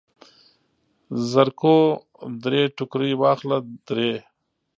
زرکوه درې ټوکرۍ واخله درې.